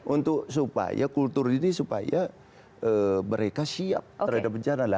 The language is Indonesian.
untuk supaya kultur ini supaya mereka siap terhadap bencana lah